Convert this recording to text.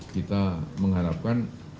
kita mengharapkan perbincangan